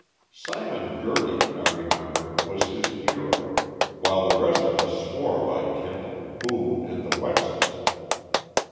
Simon Gerty, I remember, was his hero, while the rest of us swore by Kenton, Boone and the Wetzels.